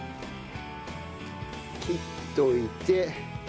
切っといて。